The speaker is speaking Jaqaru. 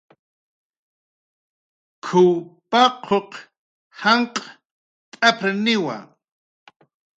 "K""uw paquq janq' t'aprniwa"